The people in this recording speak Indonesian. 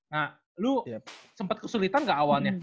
nah lu sempet kesulitan gak awalnya